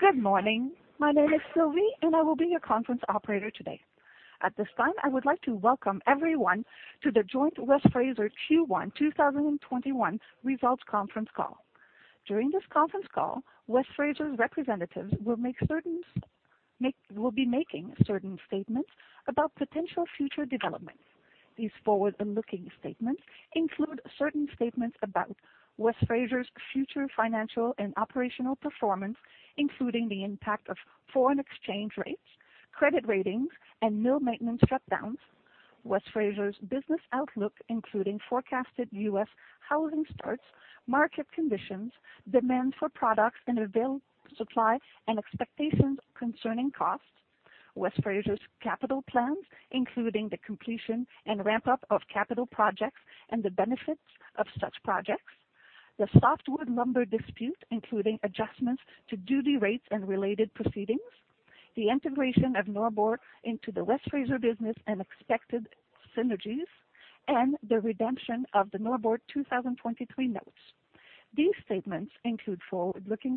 Good morning. My name is Sylvie, and I will be your conference operator today. At this time, I would like to welcome everyone to the joint West Fraser Q1 2021 Results Conference Call. During this conference call, West Fraser's representatives will be making certain statements about potential future developments. These forward-looking statements include certain statements about West Fraser's future financial and operational performance, including the impact of foreign exchange rates, credit ratings, and mill maintenance shutdowns; West Fraser's business outlook, including forecasted U.S. housing starts, market conditions, demand for products and available supply, and expectations concerning costs; West Fraser's capital plans, including the completion and ramp-up of capital projects and the benefits of such projects; the softwood lumber dispute, including adjustments to duty rates and related proceedings; the integration of Norbord into the West Fraser business and expected synergies; and the redemption of the Norbord 2023 Notes. These statements include forward-looking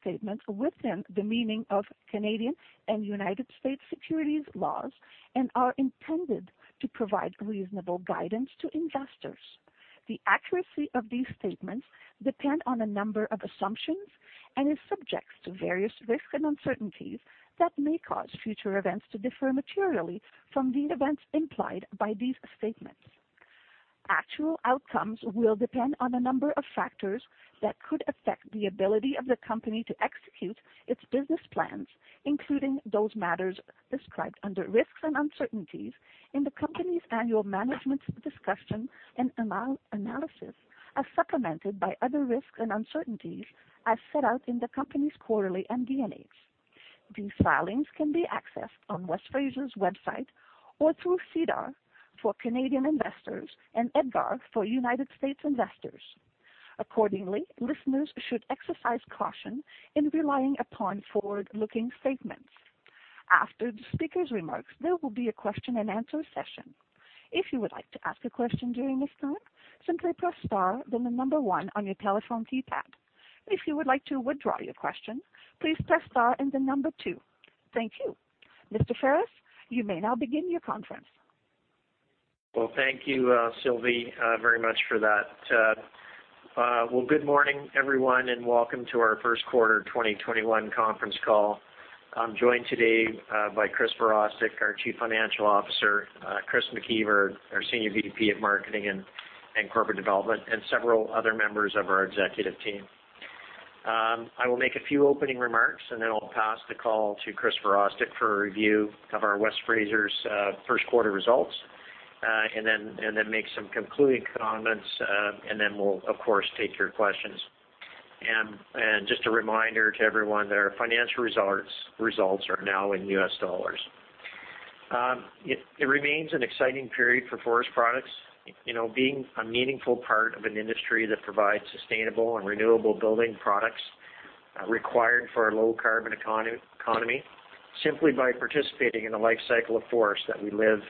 statements within the meaning of Canadian and United States securities laws and are intended to provide reasonable guidance to investors. The accuracy of these statements depend on a number of assumptions and is subject to various risks and uncertainties that may cause future events to differ materially from the events implied by these statements. Actual outcomes will depend on a number of factors that could affect the ability of the company to execute its business plans, including those matters described under Risks and Uncertainties in the company's annual Management's Discussion and Analysis, as supplemented by other risks and uncertainties as set out in the company's quarterly MD&As. These filings can be accessed on West Fraser's website or through SEDAR for Canadian investors and EDGAR for United States investors. Accordingly, listeners should exercise caution in relying upon forward-looking statements. After the speakers' remarks, there will be a question-and-answer session. Thank you. Mr. Ray Ferris, you may now begin your conference. Thank you, Sylvie, very much for that. Good morning, everyone, welcome to our first quarter 2021 conference call. I'm joined today by Chris Virostek, our Chief Financial Officer, Chris McIver, our Senior Vice President, Marketing and Corporate Development, several other members of our executive team. I will make a few opening remarks, then I'll pass the call to Chris Virostek for a review of our West Fraser's first quarter results, then make some concluding comments, then we'll of course take your questions. Just a reminder to everyone that our financial results are now in U.S. dollars. It remains an exciting period for forest products. Being a meaningful part of an industry that provides sustainable and renewable building products required for a low carbon economy simply by participating in the life cycle of forests that we live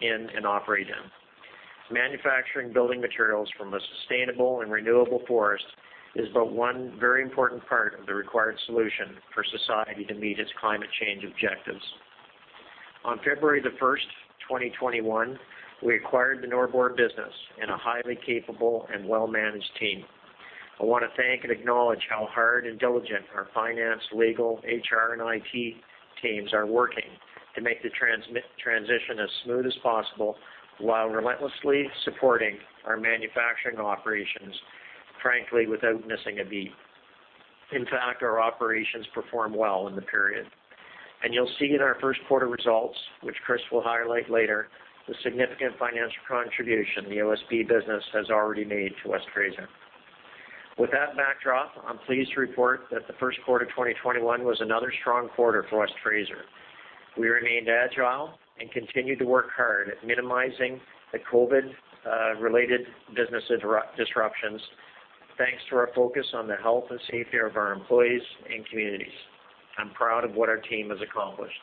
in and operate in. Manufacturing building materials from a sustainable and renewable forest is but one very important part of the required solution for society to meet its climate change objectives. On February 1st, 2021, we acquired the Norbord business and a highly capable and well-managed team. I want to thank and acknowledge how hard and diligent our finance, legal, HR, and IT teams are working to make the transition as smooth as possible while relentlessly supporting our manufacturing operations, frankly, without missing a beat. In fact, our operations performed well in the period. You'll see in our first quarter results, which Chris will highlight later, the significant financial contribution the OSB business has already made to West Fraser. With that backdrop, I'm pleased to report that the first quarter 2021 was another strong quarter for West Fraser. We remained agile and continued to work hard at minimizing the COVID-related business disruptions thanks to our focus on the health and safety of our employees and communities. I'm proud of what our team has accomplished.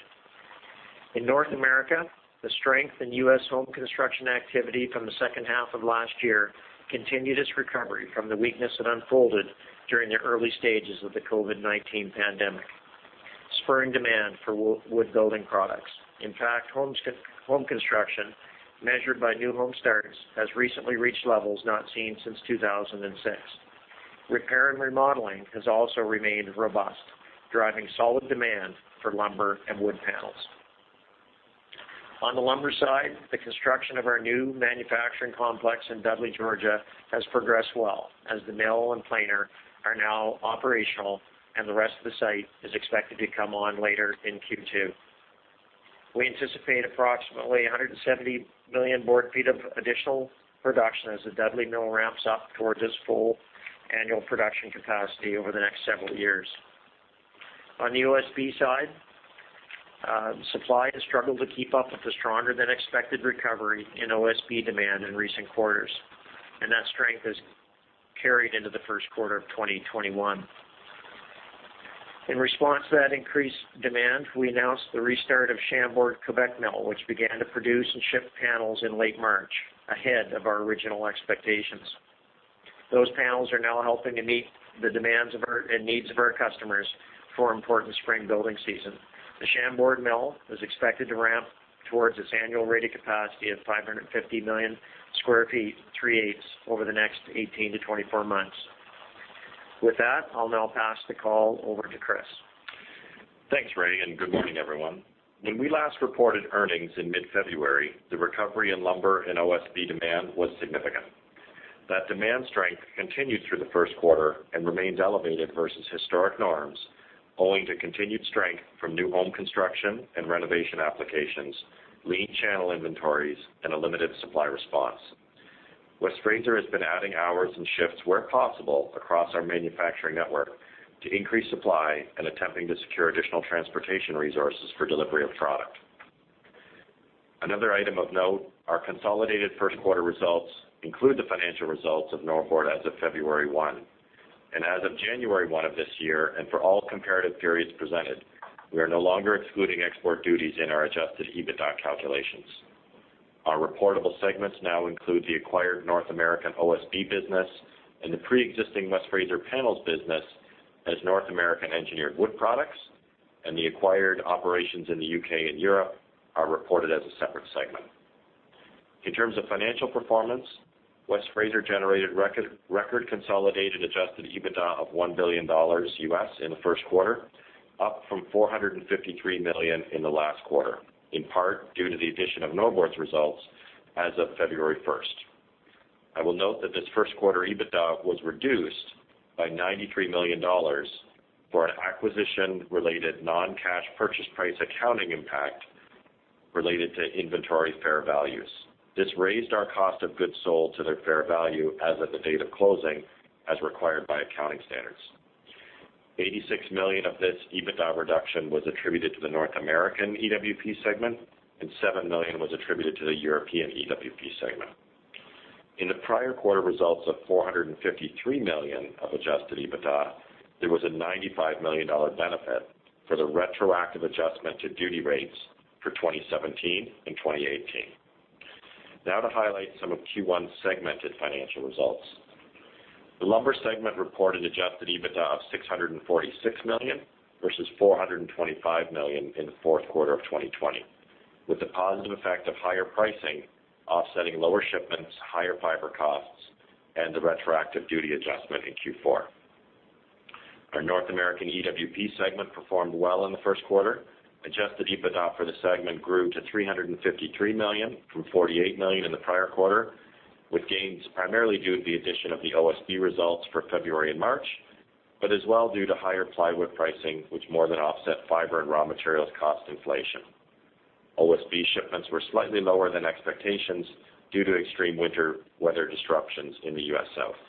In North America, the strength in U.S. home construction activity from the second half of last year continued its recovery from the weakness that unfolded during the early stages of the COVID-19 pandemic, spurring demand for wood building products. In fact, home construction measured by new home starts has recently reached levels not seen since 2006. Repair and remodeling has also remained robust, driving solid demand for lumber and wood panels. On the lumber side, the construction of our new manufacturing complex in Dudley, Georgia has progressed well as the mill and planer are now operational, and the rest of the site is expected to come on later in Q2. We anticipate approximately 170 million board feet of additional production as the Dudley mill ramps up towards its full annual production capacity over the next several years. On the OSB side, supply has struggled to keep up with the stronger-than-expected recovery in OSB demand in recent quarters. That strength has carried into the first quarter of 2021. In response to that increased demand, we announced the restart of Chambord Quebec Mill, which began to produce and ship panels in late March, ahead of our original expectations. Those panels are now helping to meet the demands and needs of our customers for important spring building season. The Chambord mill is expected to ramp towards its annual rated capacity of 550 million square feet, three-eighths over the next 18 to 24 months. With that, I'll now pass the call over to Chris. Thanks, Ray, good morning, everyone. When we last reported earnings in mid-February, the recovery in lumber and OSB demand was significant. That demand strength continued through the first quarter and remains elevated versus historic norms owing to continued strength from new home construction and renovation applications, lean channel inventories, and a limited supply response. West Fraser has been adding hours and shifts where possible across our manufacturing network to increase supply and attempting to secure additional transportation resources for delivery of product. Another item of note, our consolidated first quarter results include the financial results of Norbord as of February 1. As of January 1 of this year, and for all comparative periods presented, we are no longer excluding export duties in our adjusted EBITDA calculations. Our reportable segments now include the acquired North American OSB business and the preexisting West Fraser panels business as North American Engineered Wood Products, and the acquired operations in the U.K. and Europe are reported as a separate segment. In terms of financial performance, West Fraser generated record consolidated Adjusted EBITDA of $1 billion U.S. in the first quarter, up from $453 million in the last quarter, in part due to the addition of Norbord's results as of February 1st. I will note that this first quarter EBITDA was reduced by $93 million for an acquisition-related non-cash purchase price accounting impact related to inventory fair values. This raised our cost of goods sold to their fair value as of the date of closing, as required by accounting standards. $86 million of this EBITDA reduction was attributed to the North American EWP segment, and $7 million was attributed to the European EWP segment. In the prior quarter results of $453 million of adjusted EBITDA, there was a $95 million benefit for the retroactive adjustment to duty rates for 2017 and 2018. Now to highlight some of Q1 segmented financial results. The lumber segment reported adjusted EBITDA of $646 million versus $425 million in the fourth quarter of 2020, with the positive effect of higher pricing offsetting lower shipments, higher fiber costs, and the retroactive duty adjustment in Q4. Our North American EWP segment performed well in the first quarter. Adjusted EBITDA for the segment grew to $353 million from $48 million in the prior quarter, with gains primarily due to the addition of the OSB results for February and March, but as well due to higher plywood pricing, which more than offset fiber and raw materials cost inflation. OSB shipments were slightly lower than expectations due to extreme winter weather disruptions in the U.S. South.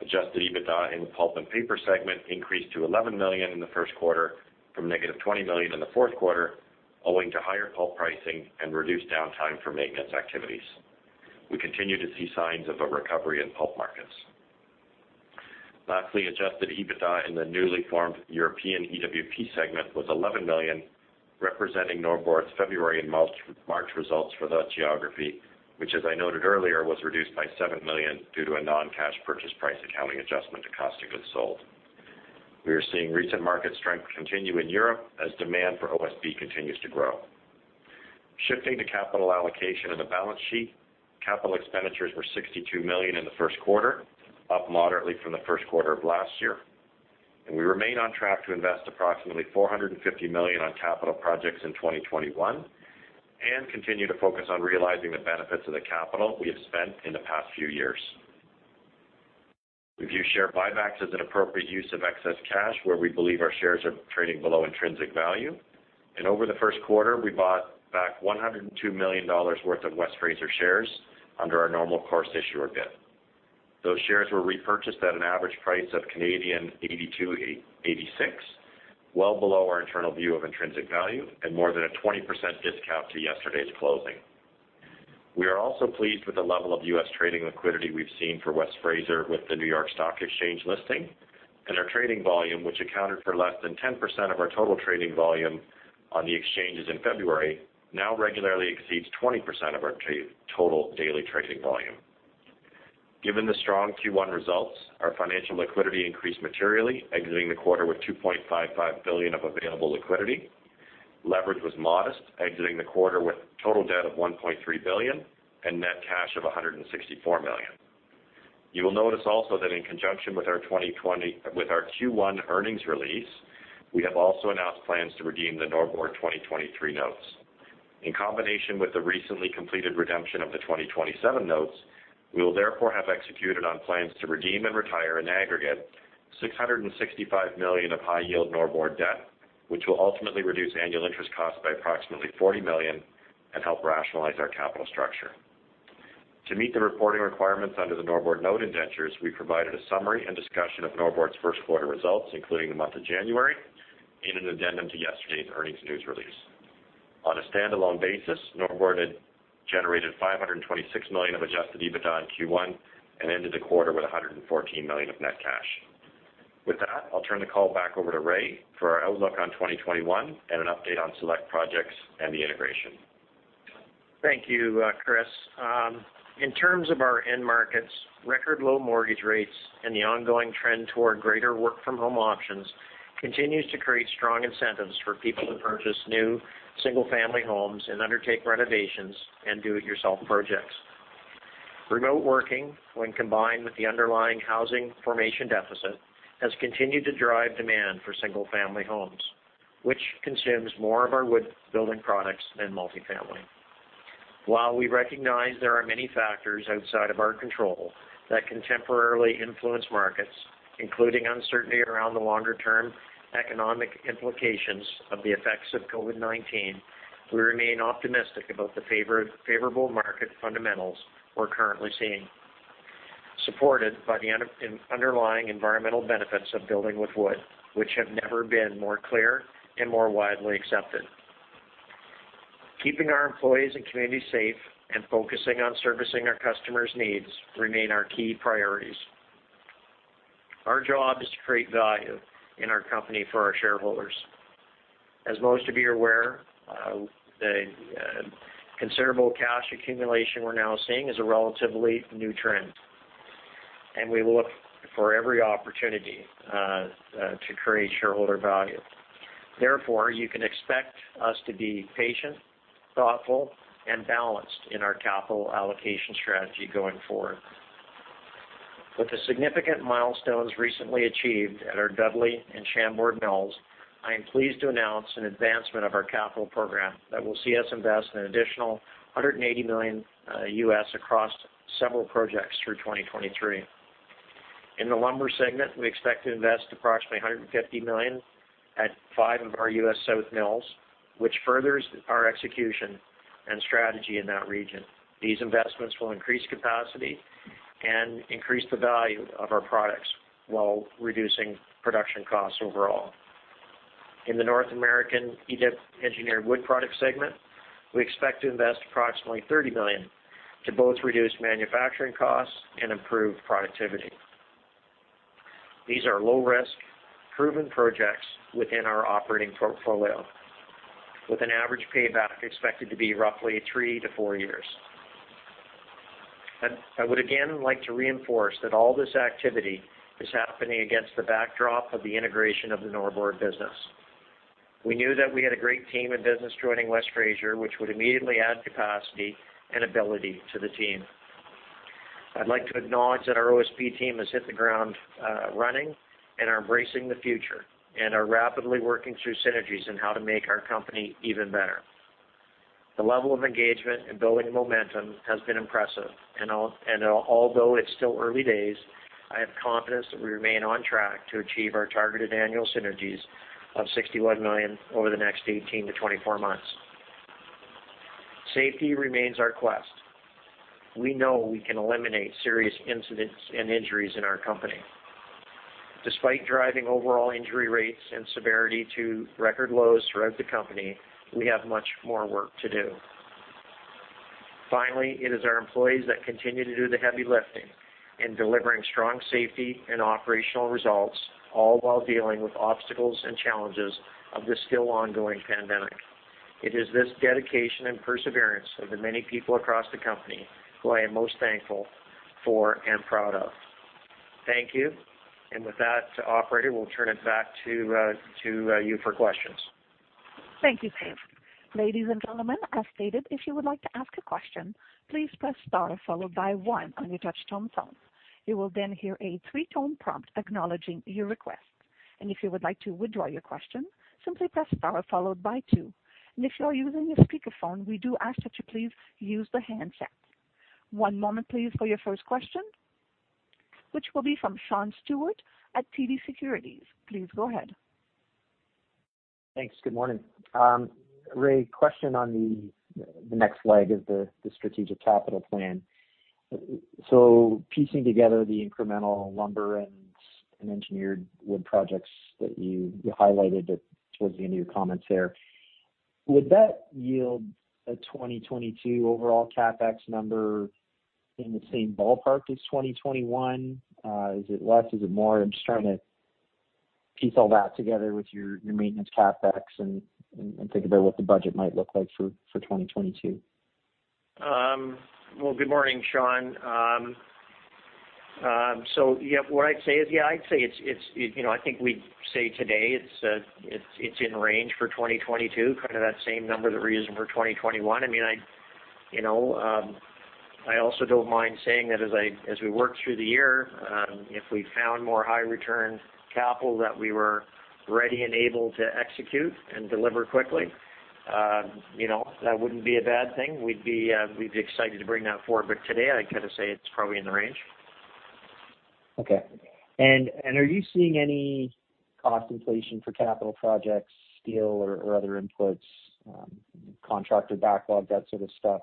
Adjusted EBITDA in the pulp and paper segment increased to $11 million in the first quarter from negative $20 million in the fourth quarter owing to higher pulp pricing and reduced downtime for maintenance activities. We continue to see signs of a recovery in pulp markets. Adjusted EBITDA in the newly formed European EWP segment was $11 million, representing Norbord's February and March results for that geography, which, as I noted earlier, was reduced by $7 million due to a non-cash purchase price accounting adjustment to cost of goods sold. We are seeing recent market strength continue in Europe as demand for OSB continues to grow. Shifting to capital allocation and the balance sheet, capital expenditures were $62 million in the first quarter, up moderately from the first quarter of last year. We remain on track to invest approximately $450 million on capital projects in 2021 and continue to focus on realizing the benefits of the capital we have spent in the past few years. We view share buybacks as an appropriate use of excess cash where we believe our shares are trading below intrinsic value, and over the first quarter, we bought back $102 million worth of West Fraser shares under our Normal Course Issuer Bid. Those shares were repurchased at an average price of 82.86, well below our internal view of intrinsic value and more than a 20% discount to yesterday's closing. We are also pleased with the level of U.S. trading liquidity we've seen for West Fraser with the New York Stock Exchange listing, and our trading volume, which accounted for less than 10% of our total trading volume on the exchanges in February, now regularly exceeds 20% of our total daily trading volume. Given the strong Q1 results, our financial liquidity increased materially, exiting the quarter with $2.55 billion of available liquidity. Leverage was modest, exiting the quarter with total debt of $1.3 billion and net cash of $164 million. You will notice also that in conjunction with our Q1 earnings release, we have also announced plans to redeem the Norbord 2023 Notes. In combination with the recently completed redemption of the 2027 Notes, we will therefore have executed on plans to redeem and retire an aggregate $665 million of high-yield Norbord debt, which will ultimately reduce annual interest costs by approximately $40 million and help rationalize our capital structure. To meet the reporting requirements under the Norbord note indentures, we provided a summary and discussion of Norbord's first quarter results, including the month of January, in an addendum to yesterday's earnings news release. On a standalone basis, Norbord generated $526 million of adjusted EBITDA in Q1 and ended the quarter with $114 million of net cash. With that, I'll turn the call back over to Ray for our outlook on 2021 and an update on select projects and the integration. Thank you, Chris. In terms of our end markets, record low mortgage rates and the ongoing trend toward greater work from home options continues to create strong incentives for people to purchase new single-family homes and undertake renovations and do-it-yourself projects. Remote working, when combined with the underlying housing formation deficit, has continued to drive demand for single-family homes, which consumes more of our wood building products than multifamily. While we recognize there are many factors outside of our control that can temporarily influence markets, including uncertainty around the longer-term economic implications of the effects of COVID-19, we remain optimistic about the favorable market fundamentals we're currently seeing, supported by the underlying environmental benefits of building with wood, which have never been more clear and more widely accepted. Keeping our employees and communities safe and focusing on servicing our customers' needs remain our key priorities. Our job is to create value in our company for our shareholders. As most of you are aware, the considerable cash accumulation we're now seeing is a relatively new trend, and we look for every opportunity to create shareholder value. Therefore, you can expect us to be patient, thoughtful, and balanced in our capital allocation strategy going forward. With the significant milestones recently achieved at our Dudley and Chambord mills, I am pleased to announce an advancement of our capital program that will see us invest an additional $180 million across several projects through 2023. In the lumber segment, we expect to invest approximately $150 million at five of our U.S. South mills, which furthers our execution and strategy in that region. These investments will increase capacity and increase the value of our products while reducing production costs overall. In the North American Engineered Wood Products segment, we expect to invest approximately $30 million to both reduce manufacturing costs and improve productivity. These are low-risk, proven projects within our operating portfolio, with an average payback expected to be roughly three to four years. I would again like to reinforce that all this activity is happening against the backdrop of the integration of the Norbord business. We knew that we had a great team and business joining West Fraser, which would immediately add capacity and ability to the team. I'd like to acknowledge that our OSB team has hit the ground running and are embracing the future and are rapidly working through synergies on how to make our company even better. The level of engagement and building momentum has been impressive, although it's still early days, I have confidence that we remain on track to achieve our targeted annual synergies of $61 million over the next 18-24 months. Safety remains our quest. We know we can eliminate serious incidents and injuries in our company. Despite driving overall injury rates and severity to record lows throughout the company, we have much more work to do. Finally, it is our employees that continue to do the heavy lifting in delivering strong safety and operational results, all while dealing with obstacles and challenges of the still ongoing pandemic. It is this dedication and perseverance of the many people across the company who I am most thankful for and proud of. Thank you. With that, operator, we'll turn it back to you for questions. Thank you, Ray Ferris. Ladies and gentlemen, as stated, if you would like to ask a question, please press star followed by one on your touch-tone phone. You will then hear a three-tone prompt acknowledging your request. If you would like to withdraw your question, simply press star followed by two. If you are using a speakerphone, we do ask that you please use the handset. One moment, please, for your first question, which will be from Sean Steuart at TD Securities. Please go ahead. Thanks. Good morning. Ray, question on the next leg of the strategic capital plan. Piecing together the incremental lumber and engineered wood projects that you highlighted towards the end of your comments there, would that yield a 2022 overall CapEx number in the same ballpark as 2021? Is it less? Is it more? I'm just trying to piece all that together with your maintenance CapEx and think about what the budget might look like for 2022. Good morning, Sean. Yeah, what I'd say is, I think we'd say today it's in range for 2022, kind of that same number that we're using for 2021. I also don't mind saying that as we work through the year, if we found more high return capital that we were ready and able to execute and deliver quickly, that wouldn't be a bad thing. We'd be excited to bring that forward. Today, I'd kind of say it's probably in the range. Okay. Are you seeing any cost inflation for capital projects, steel or other inputs, contractor backlog, that sort of stuff?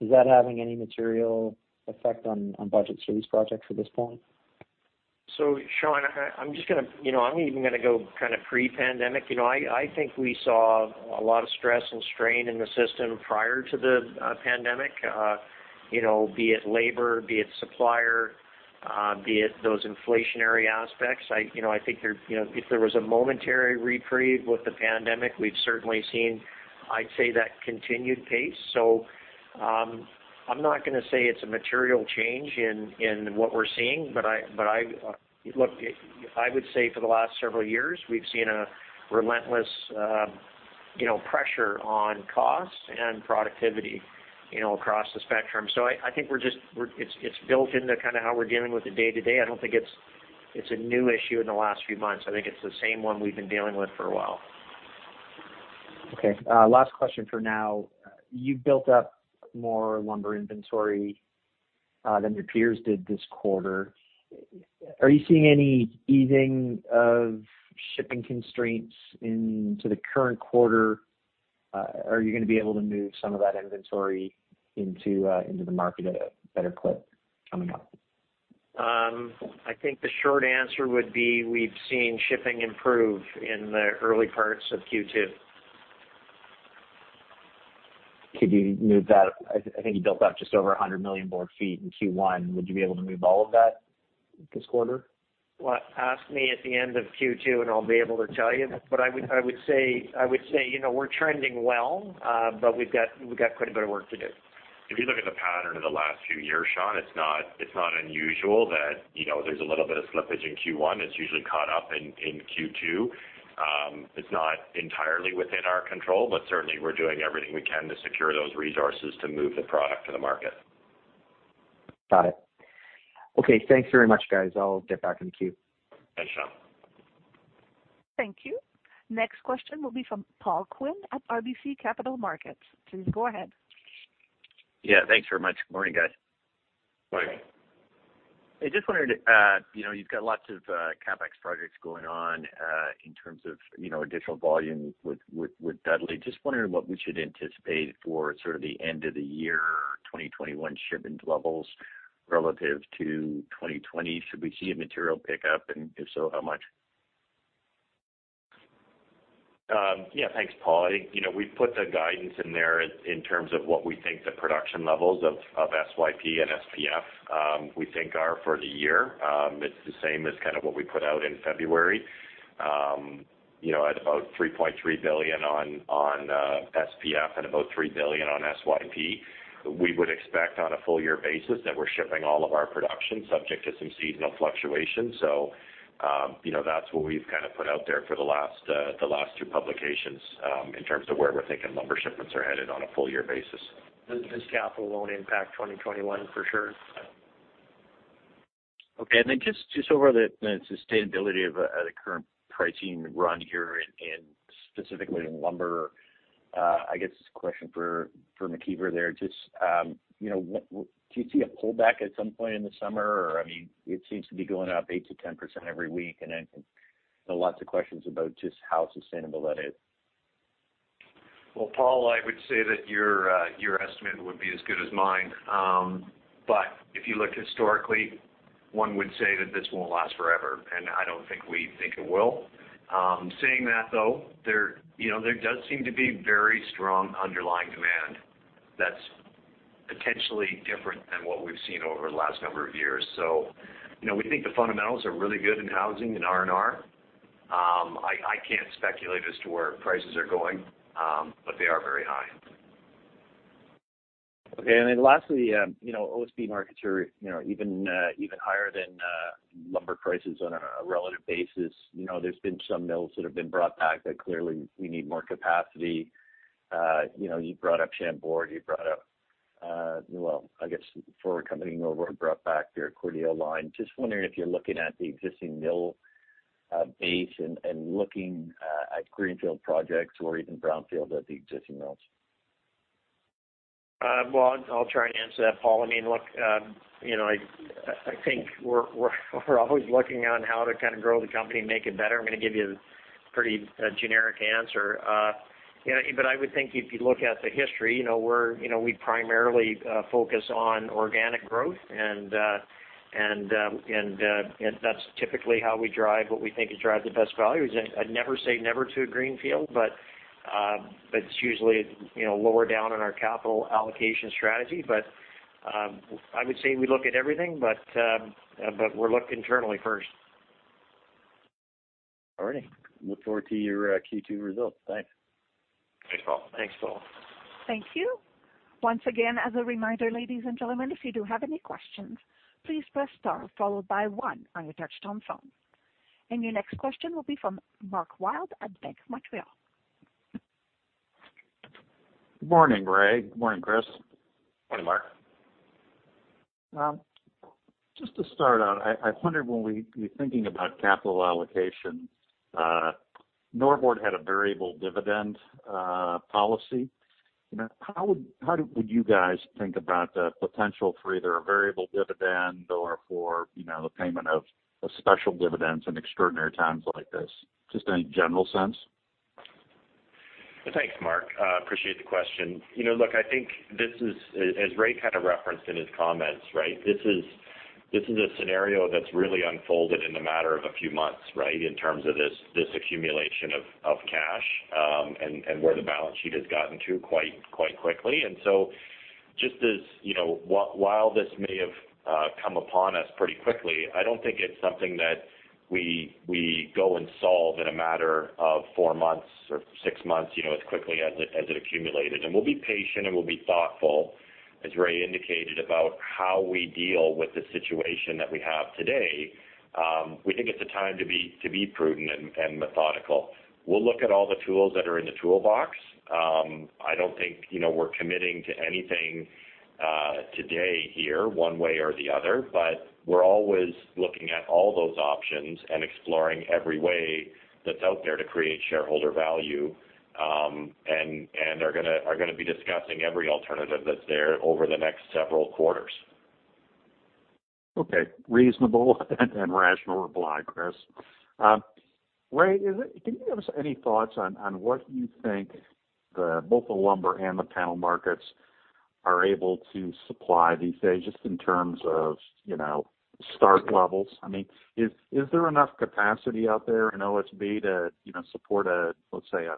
Is that having any material effect on budget for these projects at this point? Sean, I'm even going to go pre-pandemic. I think we saw a lot of stress and strain in the system prior to the pandemic, be it labor, be it supplier, be it those inflationary aspects. I think if there was a momentary reprieve with the pandemic, we've certainly seen, I'd say that continued pace. I'm not going to say it's a material change in what we're seeing, but look, I would say for the last several years, we've seen a relentless pressure on cost and productivity across the spectrum. I think it's built into how we're dealing with it day to day. I don't think it's a new issue in the last few months. I think it's the same one we've been dealing with for a while. Okay. Last question for now. You've built up more lumber inventory than your peers did this quarter. Are you seeing any easing of shipping constraints into the current quarter? Are you going to be able to move some of that inventory into the market at a better clip coming up? I think the short answer would be we've seen shipping improve in the early parts of Q2. I think you built up just over 100 million board feet in Q1. Would you be able to move all of that this quarter? Well, ask me at the end of Q2, and I'll be able to tell you. I would say we're trending well, but we've got quite a bit of work to do. If you look at the pattern of the last few years, Sean, it's not unusual that there's a little bit of slippage in Q1 that's usually caught up in Q2. It's not entirely within our control, but certainly we're doing everything we can to secure those resources to move the product to the market. Got it. Okay, thanks very much, guys. I'll get back in the queue. Thanks, Sean. Thank you. Next question will be from Paul Quinn at RBC Capital Markets. Please go ahead. Yeah, thanks very much. Good morning, guys. Morning. I just wondered, you've got lots of CapEx projects going on in terms of additional volume with Dudley. Just wondering what we should anticipate for sort of the end of the year 2021 shipment levels relative to 2020. Should we see a material pickup, and if so, how much? Yeah. Thanks, Paul. We put the guidance in there in terms of what we think the production levels of SYP and SPF we think are for the year. It's the same as what we put out in February at about 3.3 billion on SPF and about 3 billion on SYP. We would expect on a full year basis that we're shipping all of our production subject to some seasonal fluctuation. That's what we've put out there for the last two publications in terms of where we're thinking lumber shipments are headed on a full year basis. This capital won't impact 2021 for sure. Okay. Just over the sustainability of the current pricing run here and specifically in lumber, I guess this is a question for McIver there. Do you see a pullback at some point in the summer? It seems to be going up 8%-10% every week. Lots of questions about just how sustainable that is. Paul, I would say that your estimate would be as good as mine. If you look historically, one would say that this won't last forever, and I don't think we think it will. Saying that though, there does seem to be very strong underlying demand that's potentially different than what we've seen over the last number of years. We think the fundamentals are really good in housing and R&R. I can't speculate as to where prices are going, but they are very high. Okay. Lastly, OSB markets are even higher than lumber prices on a relative basis. There's been some mills that have been brought back that clearly we need more capacity. You brought up Cordele, Well, I guess for a company, Norbord brought back their Cordele line. Just wondering if you're looking at the existing mill base and looking at greenfield projects or even brownfield at the existing mills. Well, I'll try and answer that, Paul. Look, I think we're always looking on how to grow the company and make it better. I'm going to give you a pretty generic answer. I would think if you look at the history, we primarily focus on organic growth, and that's typically how we drive what we think drives the best value. I'd never say never to a greenfield, but it's usually lower down in our capital allocation strategy. I would say we look at everything, but we'll look internally first. All right. Look forward to your Q2 results. Thanks. Thanks, Paul. Thanks, Paul. Thank you. Once again, as a reminder, ladies and gentlemen, if you do have any questions, please press star followed by one on your touch-tone phone. Your next question will be from Mark Wilde at Bank of Montreal. Good morning, Ray. Good morning, Chris. Morning, Mark. Just to start out, I wonder when we thinking about capital allocation, Norbord had a variable dividend policy. How would you guys think about the potential for either a variable dividend or for the payment of a special dividend in extraordinary times like this, just in a general sense? Thanks, Mark. Appreciate the question. Look, I think as Ray kind of referenced in his comments, this is a scenario that's really unfolded in the matter of a few months in terms of this accumulation of cash, and where the balance sheet has gotten to quite quickly. Just as while this may have come upon us pretty quickly, I don't think it's something that we go and solve in a matter of four months or six months, as quickly as it accumulated. We'll be patient and we'll be thoughtful, as Ray indicated, about how we deal with the situation that we have today. We think it's a time to be prudent and methodical. We'll look at all the tools that are in the toolbox. I don't think we're committing to anything today here, one way or the other, but we're always looking at all those options and exploring every way that's out there to create shareholder value, and are going to be discussing every alternative that's there over the next several quarters. Okay. Reasonable and rational reply, Chris. Ray, can you give us any thoughts on what you think both the lumber and the panel markets are able to supply these days, just in terms of start levels? Is there enough capacity out there in OSB to support, let's say, 1.8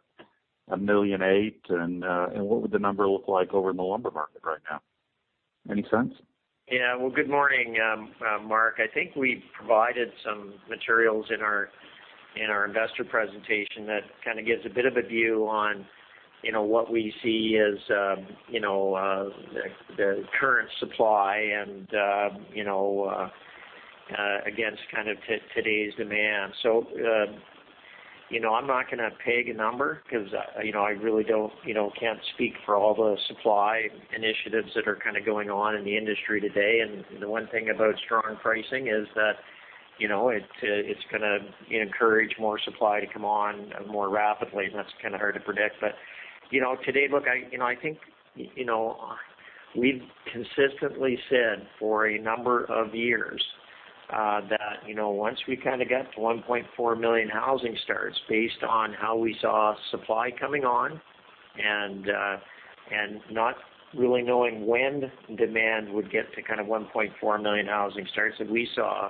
million, and what would the number look like over in the lumber market right now? Any sense? Well, good morning, Mark. I think we've provided some materials in our investor presentation that kind of gives a bit of a view on what we see as the current supply and against kind of today's demand. I'm not going to peg a number because I really can't speak for all the supply initiatives that are kind of going on in the industry today. The one thing about strong pricing is that it's going to encourage more supply to come on more rapidly, and that's kind of hard to predict. Today, look, I think we've consistently said for a number of years that once we kind of get to 1.4 million housing starts based on how we saw supply coming on, and not really knowing when demand would get to kind of 1.4 million housing starts that we saw,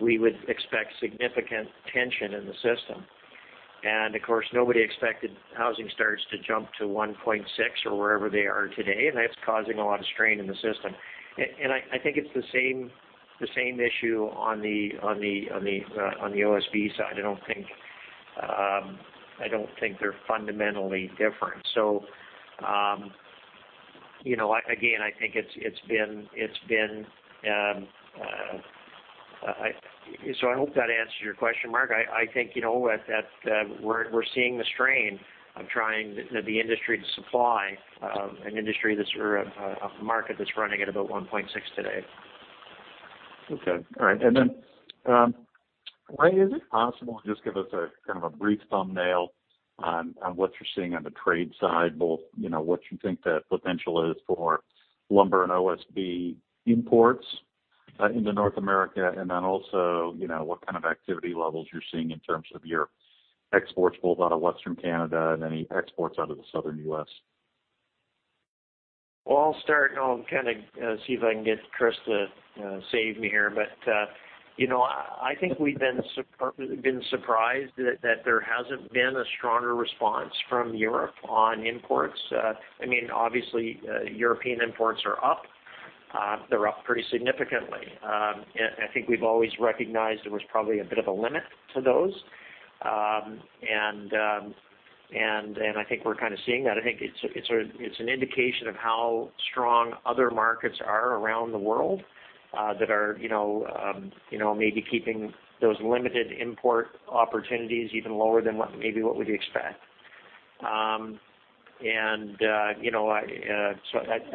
we would expect significant tension in the system. Of course, nobody expected housing starts to jump to 1.6 million or wherever they are today, and that's causing a lot of strain in the system. I think it's the same issue on the OSB side. I don't think they're fundamentally different. I hope that answers your question, Mark. I think that we're seeing the strain of trying the industry to supply a market that's running at about 1.6 million today. Okay. All right. Ray, is it possible to just give us kind of a brief thumbnail on what you're seeing on the trade side, both what you think the potential is for lumber and OSB imports into North America, and then also, what kind of activity levels you're seeing in terms of your exports, both out of Western Canada and any exports out of the Southern U.S.? Well, I'll start, I'll kind of see if I can get Chris to save me here. I think we've been surprised that there hasn't been a stronger response from Europe on imports. Obviously European imports are up. They're up pretty significantly. I think we've always recognized there was probably a bit of a limit to those. I think we're kind of seeing that. I think it's an indication of how strong other markets are around the world, that are maybe keeping those limited import opportunities even lower than maybe what we'd expect. I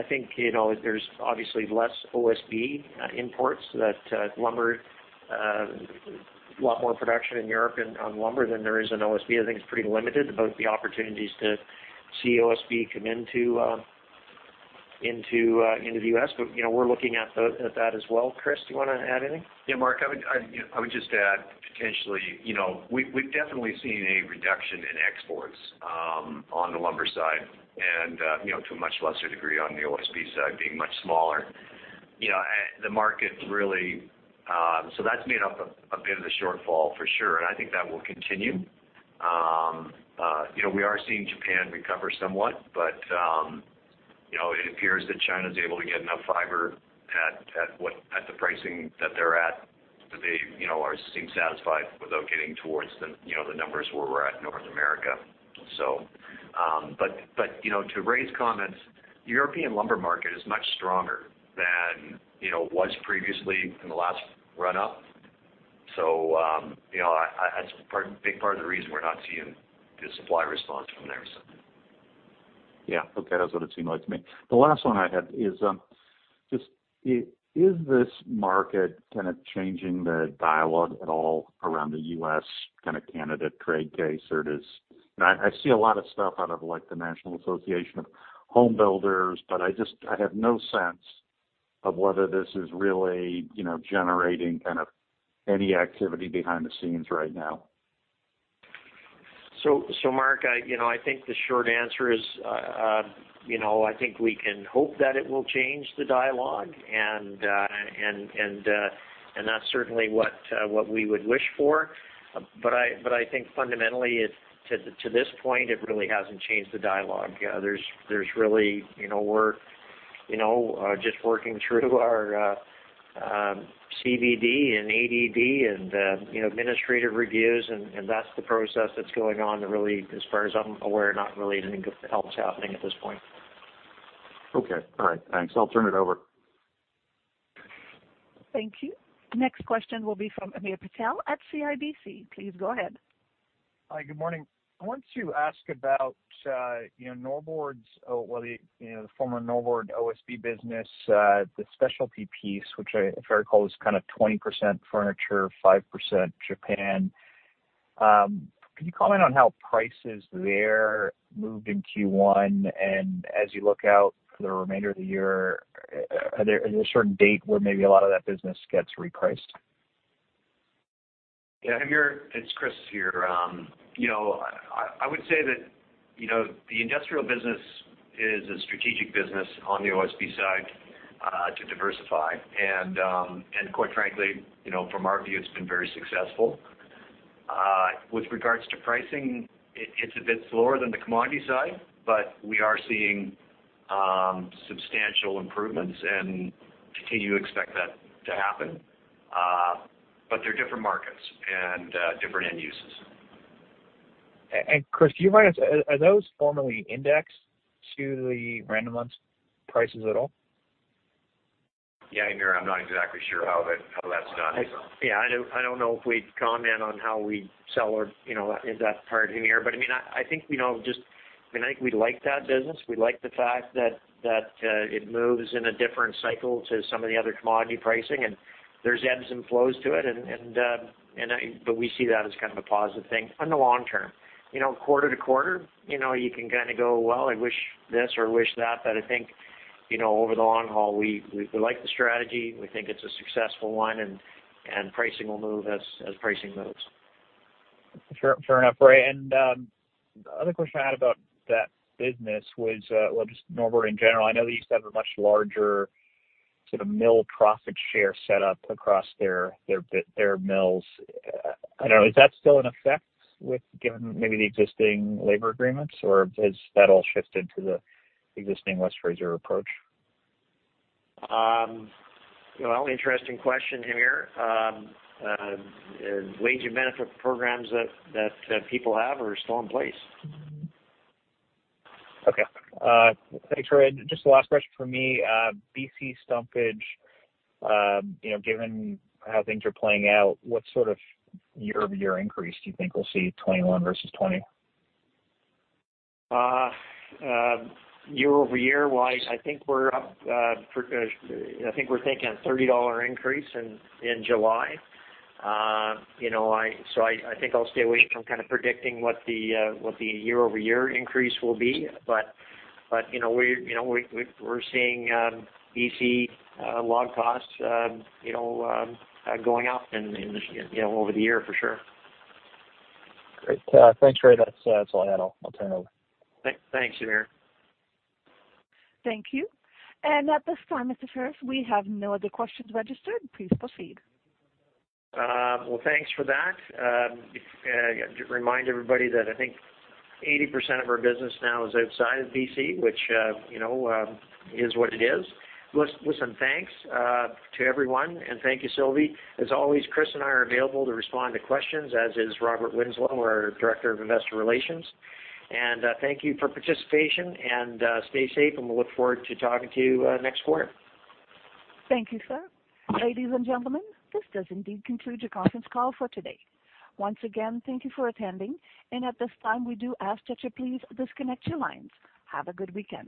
think there's obviously less OSB imports. A lot more production in Europe on lumber than there is on OSB. I think it's pretty limited, both the opportunities to see OSB come into the U.S., we're looking at that as well. Chris, do you want to add anything? Mark, I would just add potentially we've definitely seen a reduction in exports on the lumber side and to a much lesser degree on the OSB side, being much smaller. That's made up a bit of the shortfall for sure, and I think that will continue. We are seeing Japan recover somewhat, but it appears that China's able to get enough fiber at the pricing that they're at, that they are seem satisfied without getting towards the numbers where we're at in North America. To Ray's comments, the European lumber market is much stronger than it was previously in the last run up. That's a big part of the reason we're not seeing the supply response from there. Yeah. Okay. That's what it seemed like to me. The last one I had is just is this market kind of changing the dialogue at all around the U.S. kind of Canada trade case? I see a lot of stuff out of the National Association of Home Builders, but I have no sense. Of whether this is really generating any activity behind the scenes right now. Mark, I think the short answer is, I think we can hope that it will change the dialogue, and that's certainly what we would wish for. I think fundamentally, to this point, it really hasn't changed the dialogue. We're just working through our CVD and ADD and administrative reviews, and that's the process that's going on that really, as far as I'm aware, not really anything else happening at this point. Okay. All right, thanks. I'll turn it over. Thank you. Next question will be from Hamir Patel at CIBC Capital Markets. Please go ahead. Hi, good morning. I want to ask about the former Norbord OSB business, the specialty piece, which if I recall, is 20% furniture, 5% Japan. Can you comment on how prices there moved in Q1, and as you look out for the remainder of the year, is there a certain date where maybe a lot of that business gets repriced? Yeah, Hamir, it's Chris here. I would say that the industrial business is a strategic business on the OSB side to diversify, and quite frankly, from our view, it's been very successful. With regards to pricing, it's a bit slower than the commodity side, but we are seeing substantial improvements and continue to expect that to happen. They're different markets and different end uses. Chris, can you remind us, are those formally indexed to the Random Lengths prices at all? Hamir, I'm not exactly sure how that's done. I don't know if we'd comment on how we sell in that part, Hamir, but I think we like that business. We like the fact that it moves in a different cycle to some of the other commodity pricing, and there's ebbs and flows to it, but we see that as a positive thing in the long term. Quarter to quarter, you can go, "Well, I wish this or I wish that," but I think, over the long haul, we like the strategy. We think it's a successful one, and pricing will move as pricing moves. Sure enough, Ray. The other question I had about that business was, well, just Norbord in general, I know they used to have a much larger mill profit share set up across their mills. I don't know, is that still in effect, given maybe the existing labor agreements, or has that all shifted to the existing West Fraser approach? Well, interesting question, Hamir. Wage and benefit programs that people have are still in place. Okay. Thanks, Ray. Just the last question from me. B.C. stumpage, given how things are playing out, what sort of year-over-year increase do you think we'll see 2021 versus 2020? Year-over-year, I think we're taking a $30 increase in July. I think I'll stay away from predicting what the year-over-year increase will be, but we're seeing B.C. log costs going up over the year for sure. Great. Thanks, Ray. That's all I had. I'll turn it over. Thanks, Hamir. Thank you. At this time, Mr. Ferris, we have no other questions registered. Please proceed. Well, thanks for that. Just remind everybody that I think 80% of our business now is outside of B.C., which is what it is. Listen, thanks to everyone, and thank you, Sylvie. As always, Chris and I are available to respond to questions, as is Robert B. Winslow, our Director of Investor Relations. Thank you for participation, and stay safe, and we'll look forward to talking to you next quarter. Thank you, sir. Ladies and gentlemen, this does indeed conclude your conference call for today. Once again, thank you for attending, and at this time, we do ask that you please disconnect your lines. Have a good weekend.